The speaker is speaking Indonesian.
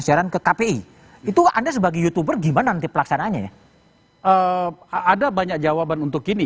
siaran ke kpi itu anda sebagai youtuber gimana nanti pelaksananya ya ada banyak jawaban untuk ini